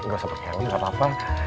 gak usah pakai helm gak apa apa